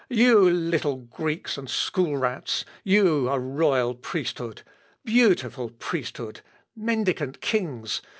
"You little Greeks and school rats! You a royal priesthood!... Beautiful priesthood!... Mendicant kings!...